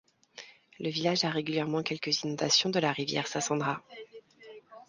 Le village a régulièrement quelques inondation de la rivière Sassandra.